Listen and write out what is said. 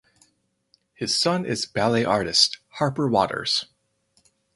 His son is ballet artist Harper Watters.